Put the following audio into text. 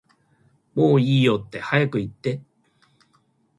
もういいよって早く言って